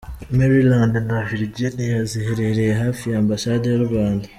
Maryland na Virginia ziherereye hafi y’ambasade y’u Rwanda.